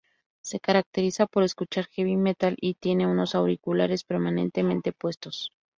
Se caracteriza por escuchar heavy metal, y tiene unos auriculares permanentemente puestos.